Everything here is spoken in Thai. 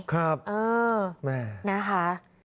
ครับแม่นะคะ